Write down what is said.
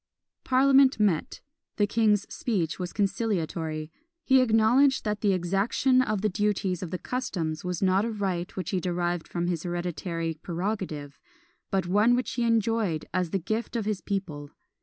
Parliament met. The king's speech was conciliatory. He acknowledged that the exaction of the duties of the customs was not a right which he derived from his hereditary prerogative, but one which he enjoyed as the gift of his people.